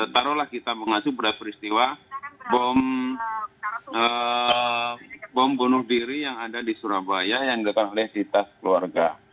taruhlah kita mengacu pada peristiwa bom bunuh diri yang ada di surabaya yang dilakukan oleh di tas keluarga